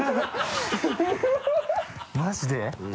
マジで？